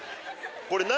これ何？